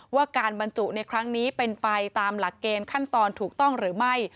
ว่าการบรรจุในครั้งนี้เป็นไปตามหลักเกณฑ์ขั้นตอนถูกต้องหรือไม่